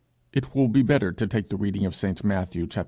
It will be better to take the reading of St. Matthew xiii.